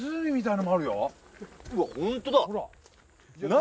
うわっホントだ何？